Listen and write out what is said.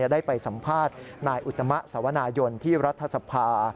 ได้ไปสัมภาษณ์นายอุตมะสวนายนที่รัฐสภา